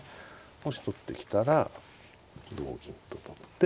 もし取ってきたら同銀と取って。